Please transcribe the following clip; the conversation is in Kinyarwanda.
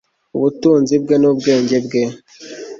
ubutunzi bwe n'ubwenge bwe